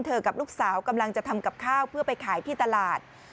กับลูกสาวกำลังจะทำกับข้าวเพื่อไปขายที่ตลาด